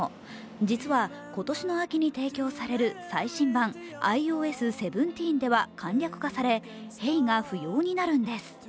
実は、今年の秋に提供される最新版ｉＯＳ１７では簡略化され簡略され、「Ｈｅｙ」が不要になるんです。